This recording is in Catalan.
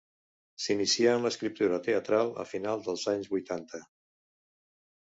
S'inicià en l'escriptura teatral a final dels anys huitanta.